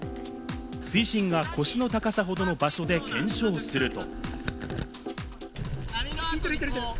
水深が腰の高さほどの場所で検証すると。